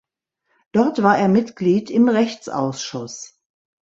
Dort war er Mitglied im Rechtsausschuss.